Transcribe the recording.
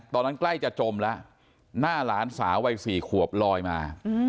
ตอนนั้นใกล้จะจมแล้วหน้าหลานสาววัยสี่ขวบลอยมา